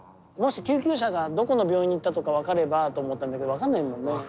もし救急車がどこの病院に行ったとか分かればと思ったんだけど分かんないもんね。